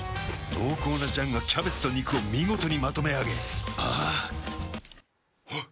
濃厚な醤がキャベツと肉を見事にまとめあげあぁあっ。